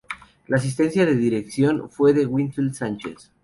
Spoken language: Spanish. La asistencia de dirección fue de Winfield Sánchez.